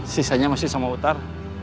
sisa nya masih sama utar